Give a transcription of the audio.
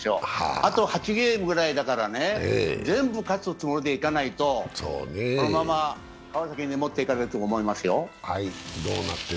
あと８ゲームぐらいだから全部勝つつもりでいかないとこのまま川崎に持っていかれると思いますよ。